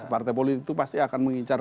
partai politik itu pasti akan mengincar